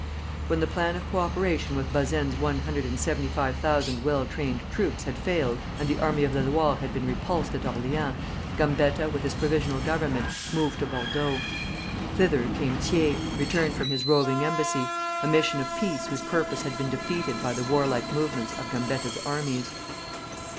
When the plan of co operation with Bazaine's one hundred and seventy five thousand well trained troops had failed, and the Army of the Loire had been repulsed at Orleans, Gambetta with his Provisional Government moved to Bordeaux. Thither came Thiers, returned from his roving embassy, a mission of peace whose purpose had been defeated by the warlike movements of Gambetta's armies.